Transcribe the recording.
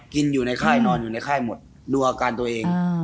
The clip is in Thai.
กินอยู่ในค่ายนอนอยู่ในค่ายหมดดูอาการตัวเอง